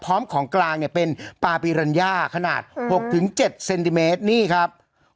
ของกลางเนี่ยเป็นปาปีรัญญาขนาด๖๗เซนติเมตรนี่ครับ